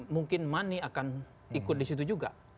mungkin money akan ikut disitu juga